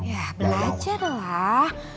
ya belajar lah